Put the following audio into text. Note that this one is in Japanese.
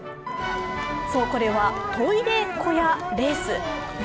そう、これはトイレ小屋レース。